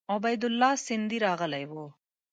عبیدالله سیندهی راغلی وو.